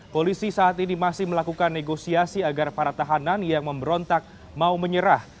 polisi saat ini masih melakukan negosiasi agar para tahanan yang memberontak mau menyerah